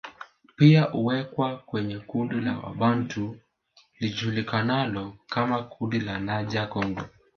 Pia huwekwa kwenye kundi la Wabantu lijulikanalo kama kundi la Niger Congo